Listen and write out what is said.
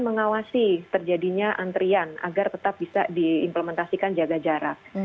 dan mengawasi terjadinya antrian agar tetap bisa diimplementasikan jaga jarak